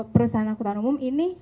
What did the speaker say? perusahaan angkutan umum ini